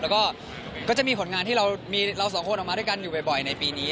แล้วก็ก็จะมีผลงานที่เรามีเราสองคนออกมาด้วยกันอยู่บ่อยในปีนี้